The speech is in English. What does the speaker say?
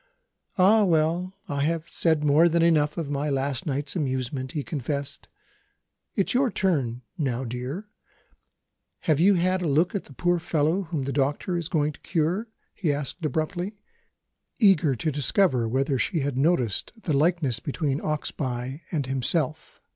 "Ah, well I have said more than enough of my last night's amusement," he confessed. "It's your turn now, my dear. Have you had a look at the poor fellow whom the doctor is going to cure?" he asked abruptly; eager to discover whether she had noticed the likeness between Oxbye and himself.